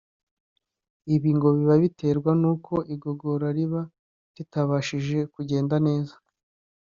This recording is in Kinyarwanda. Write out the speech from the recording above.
ibi ngo biba biterwa n’uko igogora riba ritabashije kugenda neza